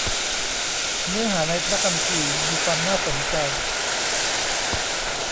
เนื้อหาในพระคัมภีร์ มีความน่าสนใจ